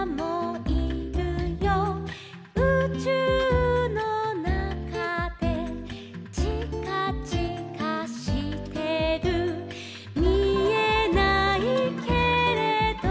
「うちゅうのなかで」「ちかちかしてる」「みえないけれど」